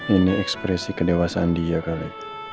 ini ekspresi kedewasaan dia kali